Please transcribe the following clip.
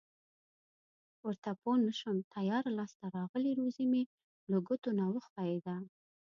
ورته پوه نشوم تیاره لاس ته راغلې روزي مې له ګوتو نه و ښویېده.